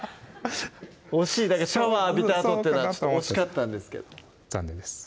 シャワー浴びたあとっていうのは惜しかったんですけど残念です